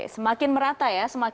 semakin merata ya